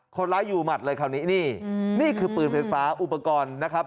คนร้ายอยู่หมัดเลยคราวนี้นี่นี่คือปืนไฟฟ้าอุปกรณ์นะครับ